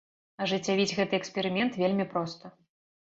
Ажыццявіць гэты эксперымент вельмі проста.